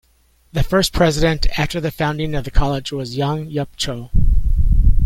The first president after the founding of the college was Young Yup Cho.